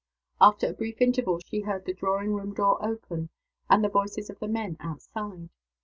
After a brief interval she heard the drawing room door open, and the voices of the men out side.